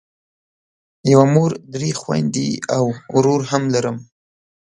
یوه مور درې خویندې او ورور هم لرم.